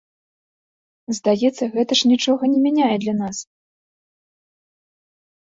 Здаецца, гэта ж нічога не мяняе для нас.